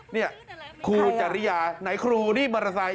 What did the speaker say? นี่ครูจริยาไหนครูรีบมอเตอร์ไซค